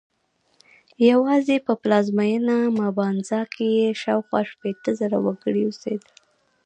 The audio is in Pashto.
یوازې په پلازمېنه مبانزا کې یې شاوخوا شپېته زره وګړي اوسېدل.